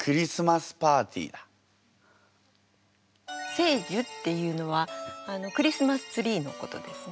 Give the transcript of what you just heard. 「聖樹」っていうのはクリスマスツリーのことですね。